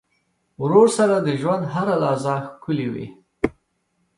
ورور سره د ژوند هره لحظه ښکلي وي.